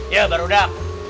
ya baru udah